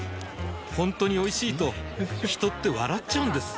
ほんとにおいしいと人って笑っちゃうんです